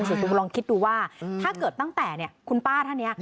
ส่วนคุณลองคิดดูว่าถ้าเกิดตั้งแต่คุณป้าท่านนี้